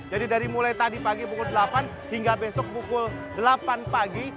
jadi dari mulai tadi pagi pukul delapan hingga besok pukul delapan pagi